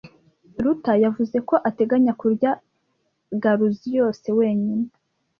Ruta yavuze ko ateganya kurya garuzi yose wenyine.